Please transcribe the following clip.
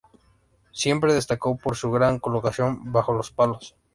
Siempre destacó por su gran colocación bajo los palos.